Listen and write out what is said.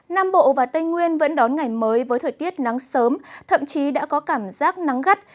nam bộ và tây nguyên vẫn đón ngày mới với thời tiết nắng sớm thậm chí đã có cảm giác nắng gắt